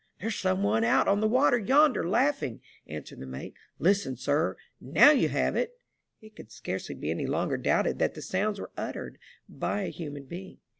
" There's some one out on the water yonder, laugh ing," answered the mate, listen, sir — now you have it." It could scarcely be any longer doubted that the sounds were uttered by a human being.